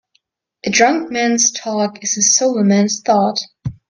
A drunk man's talk is a sober man's thought.